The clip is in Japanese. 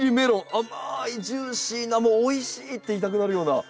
甘いジューシーなもう「おいしい！」って言いたくなるような。